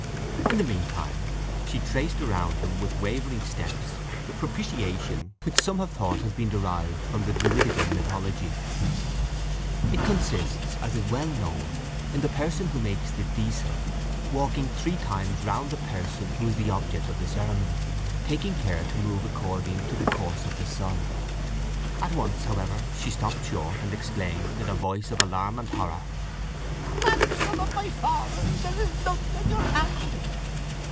In the mean time, she traced around him, with wavering steps, the propitiation, which some have thought has been derived from the Druidical mythology. It consists, as is well known, in the person who makes the deasil walking three times round the person who is the object of the ceremony, taking care to move according to the course of the sun. At once, however, she stopped short, and exclaimed, in a voice of alarm and horror: "Grandson of my father, there is blood on your hand."